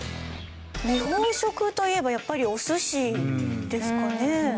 日本食といえばやっぱりお寿司ですかね。